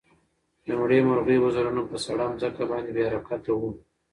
د مړې مرغۍ وزرونه په سړه ځمکه باندې بې حرکته وو.